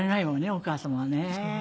お母様はね。